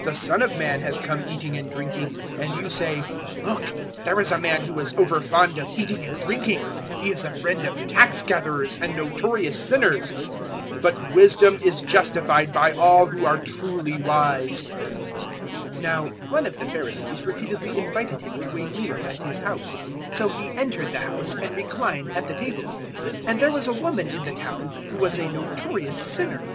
007:034 The Son of Man has come eating and drinking, and you say, `Look, there is a man who is overfond of eating and drinking he is a friend of tax gatherers and notorious sinners!' 007:035 But wisdom is justified by all who are truly wise." 007:036 Now one of the Pharisees repeatedly invited Him to a meal at his house; so He entered the house and reclined at the table. 007:037 And there was a woman in the town who was a notorious sinner.